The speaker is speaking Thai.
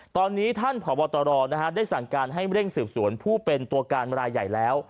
ตอนนี้ท่านผอบตรได้สั่งการให้เร่งสืบสวนผู้เป็นตัวการรายใหญ่แล้ว